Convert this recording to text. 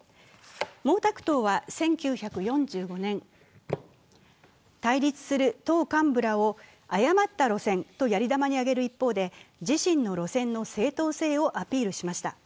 毛沢東は１９４５年、対立する党幹部らを誤った路線とやり玉に挙げる一方で自身の路線の正当性をアピールしました。